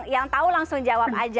yang tahu langsung jawab aja